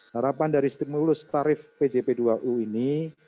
harapan dari stimulus tarif pjp dua u ini